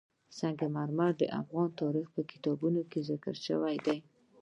سنگ مرمر د افغان تاریخ په کتابونو کې ذکر شوی دي.